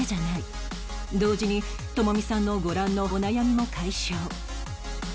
同時に友美さんのご覧のお悩みも解消